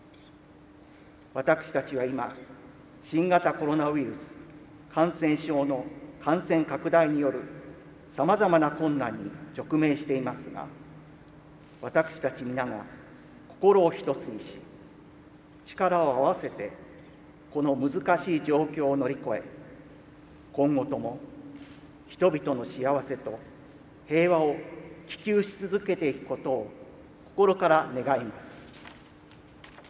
私たちは今、新型コロナウイルス感染症の感染拡大による様々な困難に直面していますが、私たち皆が心を一つにし、力を合わせてこの難しい状況を乗り越え、今後とも、人々の幸せと平和を希求し続けていくことを心から願います。